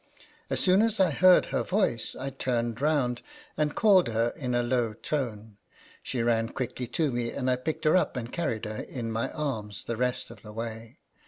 As soon as I heard her voice, I turned round, and called her in a low tone. She ran quickly to me, and I picked her up and carried her in my arms the rest of the way.